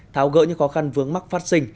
tháo gỡ những khó khăn vướng mắt phát sinh